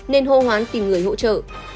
nên hô hoán tìm người hỗ trợ